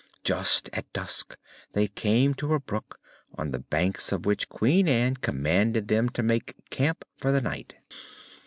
Just at dusk they came to a brook, on the banks of which Queen Ann commanded them to make camp for the night.